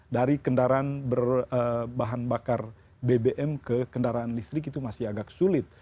dari kendaraan berbahan bakar bbm ke kendaraan listrik itu masih agak sulit